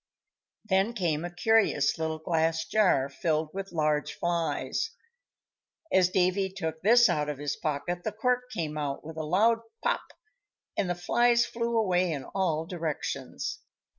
Then came a curious little glass jar, filled with large flies. As Davy took this out of his pocket, the cork came out with a loud "pop!" and the flies flew away in all directions.